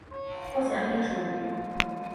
目前隶属于。